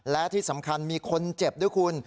และที่สำคัญมีคนเจ็บด้วยคุณ